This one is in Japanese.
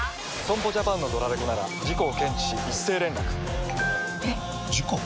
損保ジャパンのドラレコなら事故を検知し一斉連絡ピコンえっ？！事故？！